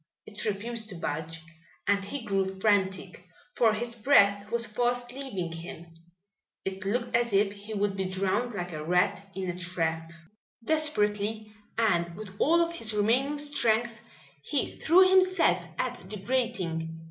It refused to budge, and he grew frantic, for his breath was fast leaving him. It looked as if he would be drowned like a rat in a trap. Desperately and with all of his remaining strength he threw himself at the grating.